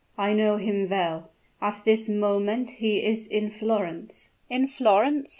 "I know him well; at this moment he is in Florence!" "In Florence!"